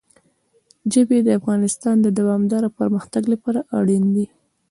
ژبې د افغانستان د دوامداره پرمختګ لپاره اړین دي.